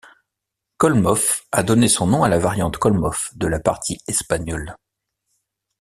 Kholmov a donné son nom à la variante Kholmov de la partie espagnole.